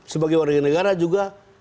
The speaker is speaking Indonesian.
sebagai warga negara juga